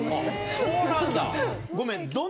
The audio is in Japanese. そうなんだ。